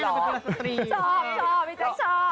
ชอบมีเจ๊ชอบ